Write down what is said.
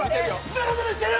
ぬるぬるしてる！